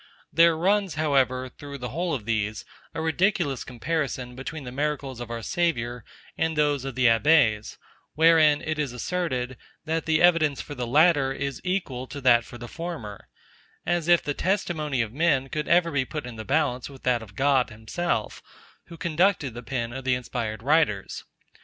There runs, however, through the whole of these a ridiculous comparison between the miracles of our Saviour and those of the Abbé; wherein it is asserted, that the evidence for the latter is equal to that for the former: As if the testimony of men could ever be put in the balance with that of God himself, who conducted the pen of the inspired writers.